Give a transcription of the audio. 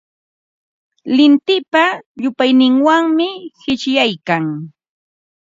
Lintipa llupayninwanmi qishyaykan.